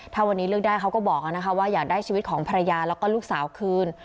ถ้าวันนี้เลือกได้เขาก็บอกว่าอยากได้ชีวิตของภรรยาแล้วก็ลูกสาวคืน